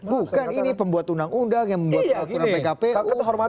bukan ini pembuat undang undang yang membuat peraturan pkpu